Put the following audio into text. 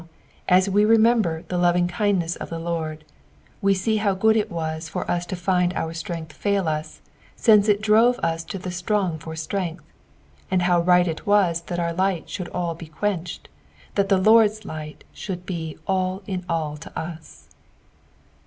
as we remember the loving kindnesa of the Lord, we see how gooil it was for us to find our own strength fail Ha, since it drove us to the strong for strength ; and how right it was that our light should all be quenched, that the Lord's light should be all in all to us.